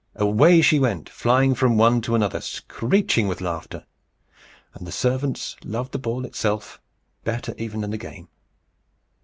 Away she went, flying from one to another, screeching with laughter. And the servants loved the ball itself better even than the game.